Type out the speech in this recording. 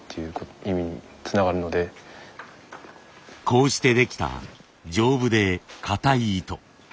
こうしてできた丈夫でかたい糸。